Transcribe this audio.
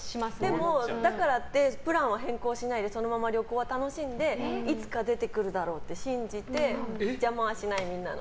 でもだからってプランは変更しないでそのまま旅行は楽しんでいつか出てくるだろうって信じて邪魔はしない、みんなの。